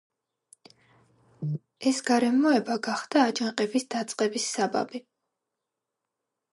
ეს გარემოება გახდა აჯანყების დაწყების საბაბი.